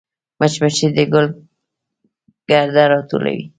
مچمچۍ د ګل ګرده راټولوي